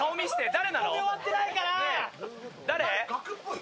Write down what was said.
誰？